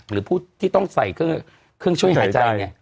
หรือผู้ที่ต้องใส่เครื่องช่วยหายใจเนี่ย